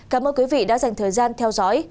cảm ơn quý vị đã dành thời gian theo dõi